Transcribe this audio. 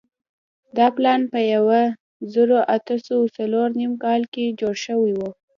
دا پلان په یوه زرو اتو سوو څلور نوېم کال کې جوړ شوی وو.